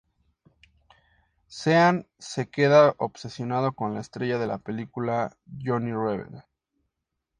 Sean se queda obsesionado con la estrella de la película, Johnny Rebel.